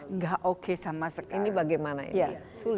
enggak oke sama sekali